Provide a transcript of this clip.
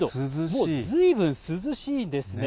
もうずいぶん涼しいんですね。